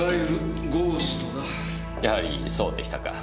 やはりそうでしたか。